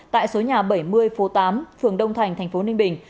tại số nhà bảy mươi phố tám phường đông thành tp ninh bình